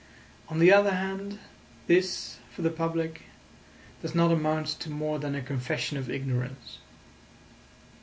On the other hand, this, for the public, does not amount to more than a confession of ignorance."